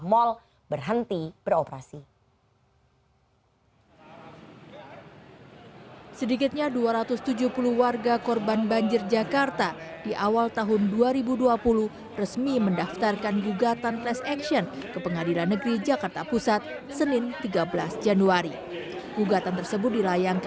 mal banjir yang terjadi